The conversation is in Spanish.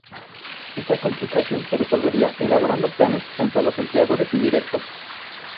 Esta complicación se resolvería elaborando planes junto a los empleadores indirectos.